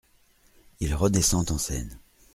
Il redescend en scène.